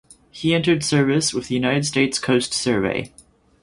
He entered service with the United States Coast Survey.